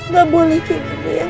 gak boleh kayak gitu ya